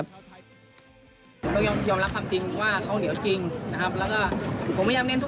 ต้องยอมรับความจริงว่าเขาเหนียวกิน